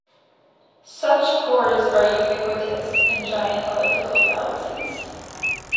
Such cores are ubiquitous in giant elliptical galaxies.